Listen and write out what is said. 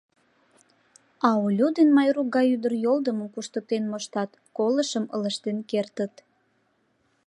А Олю ден Майрук гай ӱдыр йолдымым куштыктен моштат, колышым ылыжтен кертыт.